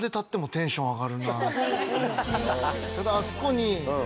ただあそこに。